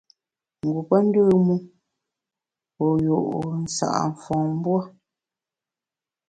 Ngu pe ndùm u, wu nju’ sa’ mfom mbuo.